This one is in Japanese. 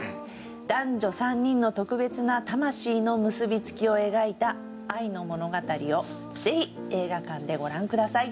男女３人の特別な魂の結びつきを描いた愛の物語をぜひ映画館でご覧ください。